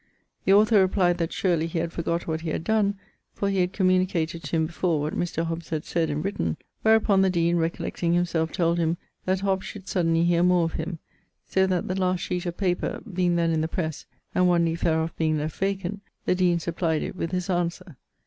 The author replied that surely he had forgot what he had donne, for he had communicated to him before what Mr. Hobbes had sayd and written; wherupon the deane recollecting himselfe, told him that Hobbes should suddenly heare more of him; so that the last sheete of paper being then in the presse and one leafe thereof being left vacant, the deane supplied it with this answer.